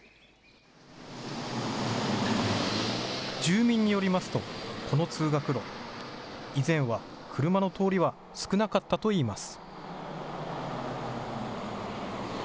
住民によりますと、この通学路以前は車の通りは少なかったといいます。